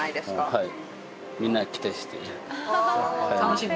はい。